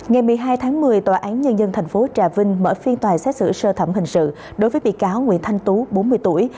ngày một mươi hai tháng một mươi tòa án nhân dân tp trà vinh mở phiên tòa xét xử sơ thẩm hình sự đối với bị cáo nguyễn thanh tú bốn mươi tuổi